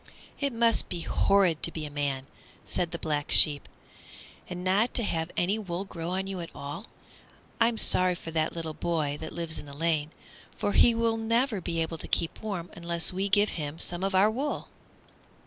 "It must be horrid to be a man," said the Black Sheep, "and not to have any wool grow on you at all. I'm sorry for that little boy that lives in the lane, for he will never be able to keep warm unless we give him some of our wool."